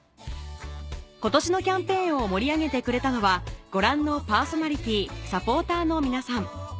今年のキャンペーンを盛り上げてくれたのはご覧のパーソナリティーサポーターの皆さん